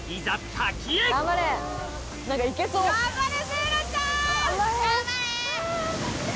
頑張れ！